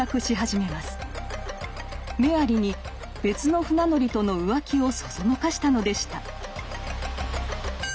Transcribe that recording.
メアリに別の船乗りとの浮気をそそのかしたのでした。